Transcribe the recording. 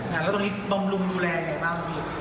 แล้วตรงนี้บำรุงดูแลยังไงบ้างพี่